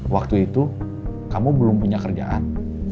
waktu itu kamu belum punya kerjaan